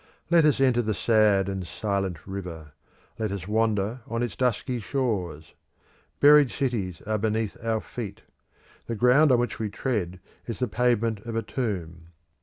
Let us enter the sad and silent river; let us wander on its dusky shores. Buried cities are beneath our feet; the ground on which we tread is the pavement of a tomb.